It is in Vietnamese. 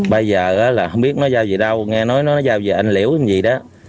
bây giờ là không biết nó giao về đâu nghe nói nó giao về anh liễu hay gì đó